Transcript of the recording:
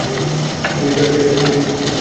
Military এখানে এসে কি করবে?